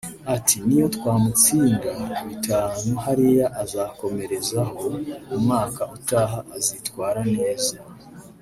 Ati “N’iyo twamutsinda bitanu hariya azakomerezeho umwaka utaha azitwara neza”